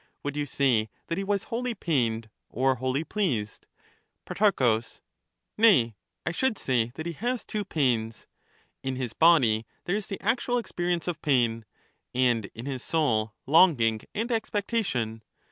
Would you say that he was wholly pained or wholly pleased ? Pro. Nay, I should say that he has two pains; in his body there is the actual experience of pain, and in his soul longing and expectation.